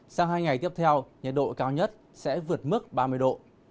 sang hai ngày tiếp theo nhiệt độ cao nhất sẽ vượt mức ba mươi độ